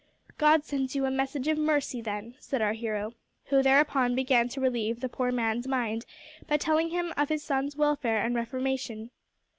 "God sends you a message of mercy, then," said our hero, who thereupon began to relieve the poor man's mind by telling him of his son's welfare and reformation.